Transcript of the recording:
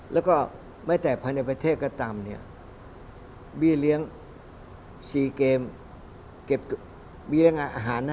แล้วก็แม้แต่ภายในประเทศก็ตามเนี่ยเบี้ยเลี้ยง๔เกมเก็บเบี้ยเลี้ยงอาหารนะ